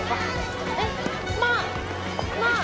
えっ？